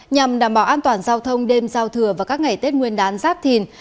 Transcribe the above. nhằm đảm bảo an toàn giao thông đêm giao thừa và các ngày tết nguyên đán giáp thìn